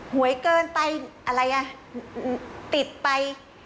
หวยเกินไปอะไรอ่ะติดไป